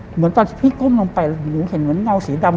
เหมือนตอนที่พี่ก้มลงไปหนูเห็นเหมือนเงาสีดำ